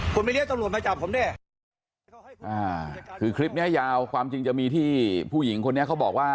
คลิปเนี่ยยาวความจริงจะมีที่ผู้หญิงคนนี้เขาบอกว่า